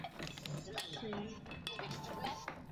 Waathiriwa wengi wanaaminika kuwa wanafunzi